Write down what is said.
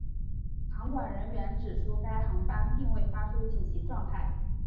航管人员指出该航班并未发出紧急状态。